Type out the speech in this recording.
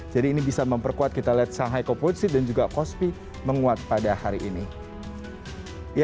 jadi ini bisa memperkuat kita lihat sanghek fosit dan juga kospi menguat pada hari ini